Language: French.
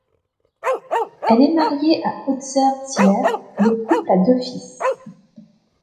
Elle est mariée à Özer Çiller et le couple a deux fils.